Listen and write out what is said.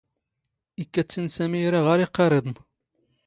ⵉⴽⴽⴰ ⵜⵜ ⵉⵏⵏ ⵙⴰⵎⵉ ⵉⵔⴰ ⵖⴰⵔ ⵉⵇⵇⴰⵔⵉⴹⵏ.